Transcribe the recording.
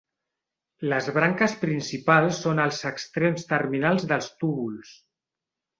Les branques principals són els extrems terminals dels túbuls.